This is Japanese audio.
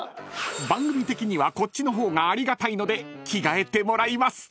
［番組的にはこっちの方がありがたいので着替えてもらいます］